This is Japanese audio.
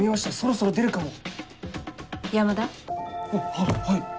あっはい！